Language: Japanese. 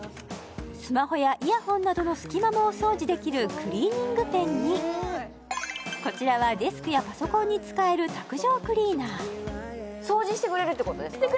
スマホやイヤホンなどの隙間もお掃除できるクリーニングペンにこちらはデスクやパソコンに使える卓上クリーナー掃除してくれるってことですか？